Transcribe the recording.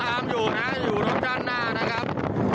อยู่นะอยู่รถด้านหน้านะครับ